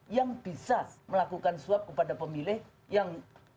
yang bisa melakukan suap kepada pemilih yang